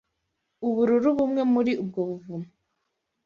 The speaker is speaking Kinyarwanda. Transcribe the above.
ubururu bumwe muri ubwo buvumo